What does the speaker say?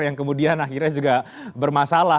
yang kemudian akhirnya juga bermasalah